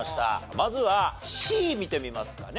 まずはＣ見てみますかね。